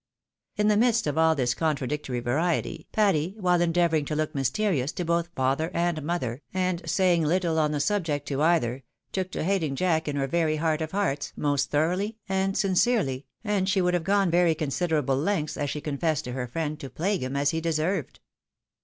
In the midst of all this contradictory variety, Patty, while endeavouring to look mysterious to both fether and mother, and saying little on the subject to either, took to hating Jack in her very heart of hearts, most thoroughly and sincerely, and she would have gone very considerable lengths, as she confessed to her ' friend, to plague him as he deserved.